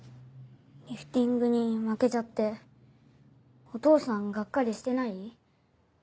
リフティングに負けちゃってお父さんがっかりしてない？